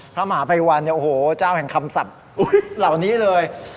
พระมหาภัยวันเนี่ยโอ้โหเจ้าแห่งคำศัพท์เหล่านี้เลย